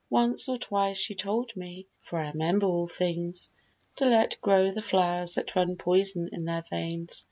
Once or twice she told me (For I remember all things), to let grow The flowers that run poison in their veins.